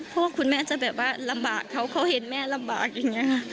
เพราะว่าคุณแม่จะแบบว่าลำบากเขาเขาเห็นแม่ลำบากอย่างนี้ค่ะ